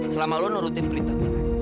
selama lu nurutin perintah gue